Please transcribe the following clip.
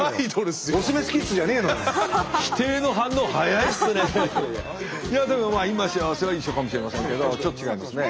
いやでも今は幸せは一緒かもしれませんけどちょっと違いますね。